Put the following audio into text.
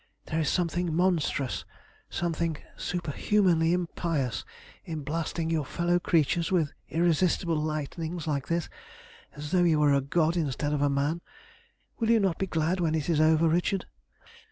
There is something monstrous, something superhumanly impious, in blasting your fellow creatures with irresistible lightnings like this, as though you were a god instead of a man. Will you not be glad when it is over, Richard?"